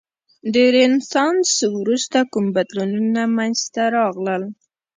د رنسانس وروسته کوم بدلونونه منځته راغلل؟